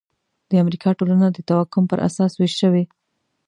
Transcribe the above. د امریکا ټولنه د توکم پر اساس وېش شوې.